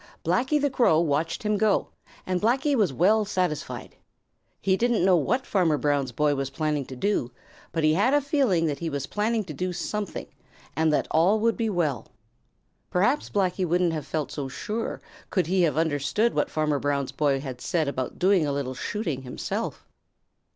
Blacky the Crow watched him go, and Blacky was well satisfied. He didn't know what Farmer Brown's boy was planning to do, but he had a feeling that he was planning to do something, and that all would be well. Perhaps Blacky wouldn't have felt so sure could he have understood what Farmer Brown's boy had said about doing a little shooting himself.